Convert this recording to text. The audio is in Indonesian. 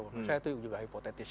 menurut saya itu juga hipotetis